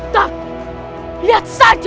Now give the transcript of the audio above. tapi lihat saja